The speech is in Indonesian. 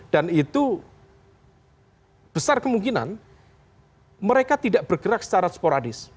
dan itu besar kemungkinan mereka tidak bergerak secara sporadis